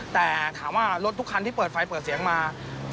แต่ถามว่ารถทุกคันที่เปิดไฟเปิดเสียงมา